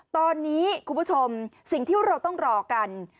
ตอนนี้คุณผู้ชมสิ่งที่เราต้องรอกัน